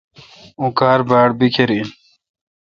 اوں کار باڑ بکھر این۔